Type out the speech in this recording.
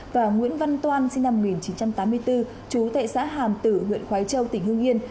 và nguyễn văn toan sinh năm một nghìn chín trăm tám mươi bốn chú tại xã hàm tử huyện khói châu tỉnh hương yên